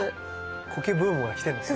コケブームが来てるんですか？